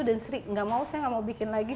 dan sri enggak mau saya enggak mau bikin lagi